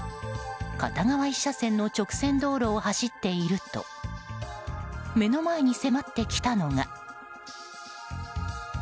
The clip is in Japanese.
片側１車線の直線道路を走っていると目の前に迫ってきたのが。